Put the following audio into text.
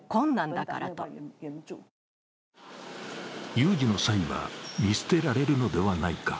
有事の際は見捨てられるのではないか。